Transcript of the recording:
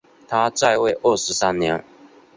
他在位二十三年。